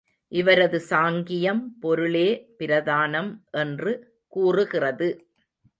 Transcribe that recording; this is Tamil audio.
இவரது சாங்கியம் பொருளே பிரதானம் என்று கூறுகிறது.